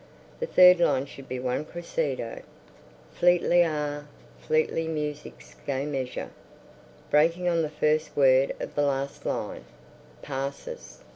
"The third line should be one crescendo. Fleetly! Ah, Fleetly Music's Gay Measure. Breaking on the first word of the last line, _Passes.